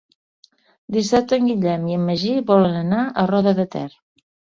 Dissabte en Guillem i en Magí volen anar a Roda de Ter.